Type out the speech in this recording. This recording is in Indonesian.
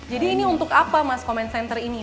jadi ini untuk apa mas komen center ini